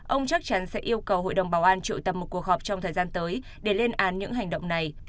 ông chắc chắn sẽ yêu cầu hội đồng bảo an triệu tập một cuộc họp trong thời gian tới để lên án những hành động này